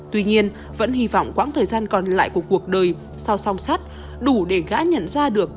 tuy nhiên vẫn hy vọng quãng thời gian còn lại của cuộc đời sau song sắt đủ để gã nhận ra được